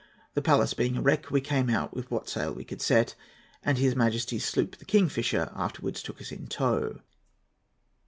The Pallas being a wreck, we came out with what sail could be set, and his Majesty's sloop the Kingfisher afterwards took us in tow."